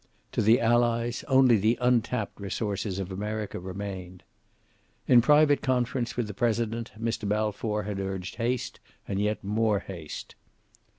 To the Allies only the untapped resources of America remained. In private conference with the President Mr. Balfour had urged haste, and yet more haste.